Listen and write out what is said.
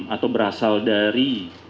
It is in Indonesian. atau berasal dari